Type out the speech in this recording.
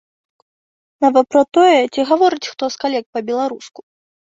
Нават пра тое, ці гаворыць хто з калег па-беларуску.